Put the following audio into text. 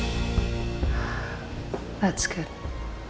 itu bagus itu bagus